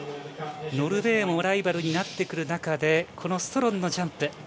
ノルウェーもライバルになる中でストロンのジャンプ。